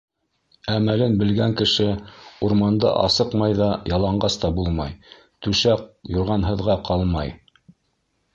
Әмәлен белгән кеше урманда асыҡмай ҙа, яланғас та булмай, түшәк-юрғанһыҙға ҡалмай.